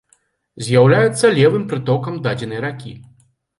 З'яўляецца левым прытокам дадзенай ракі.